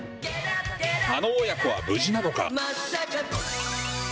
あの母娘は無事なのか。